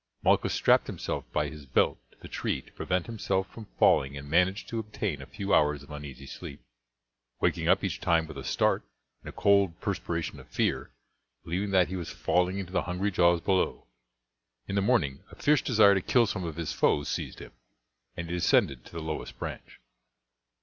Malchus strapped himself by his belt to the tree to prevent himself from falling and managed to obtain a few hours of uneasy sleep, waking up each time with a start, in a cold perspiration of fear, believing that he was falling into the hungry jaws below. In the morning a fierce desire to kill some of his foes seized him, and he descended to the lowest branch.